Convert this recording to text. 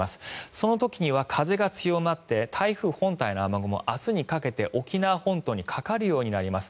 その時には風が強まって台風本体の雨雲明日にかけて沖縄本島にかかるようになります。